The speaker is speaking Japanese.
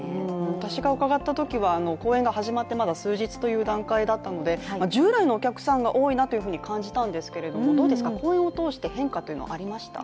私が伺ったときは、公演が始まってまだ数日という段階だったので従来のお客さんが多いなと感じたんですが、公演を通して変化というのはありました？